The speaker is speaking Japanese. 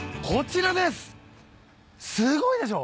すごいでしょ？